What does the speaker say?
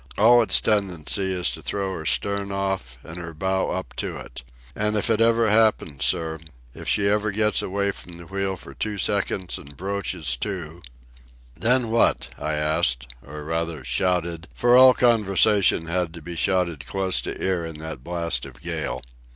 All its tendency is to throw her stern off and her bow up to it. And if it ever happens, sir, if she ever gets away from the wheel for two seconds and broaches to ..." "Then what?" I asked, or, rather, shouted; for all conversation had to be shouted close to ear in that blast of gale.